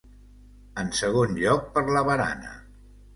En segon lloc per la barana.